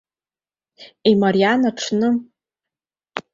Имариан аҽны.